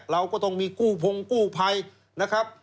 เราก็ต้องมีกู้พงกู้ภัยนะครับ